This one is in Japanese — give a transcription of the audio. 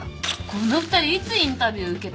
この二人いつインタビュー受けた！？